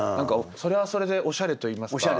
それはそれでおしゃれといいますか。